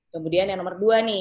kemudian yang nomor dua nih